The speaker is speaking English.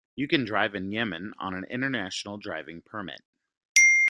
You can drive in Yemen on an International Driving Permit.